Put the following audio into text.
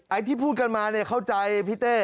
ที่พูดกันมาเนี่ยเข้าใจพี่เต้